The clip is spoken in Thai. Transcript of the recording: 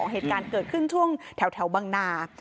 เหตุการณ์เกิดขึ้นช่วงแถวบังนา